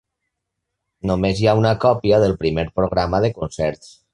Només hi ha una còpia del primer programa de concerts.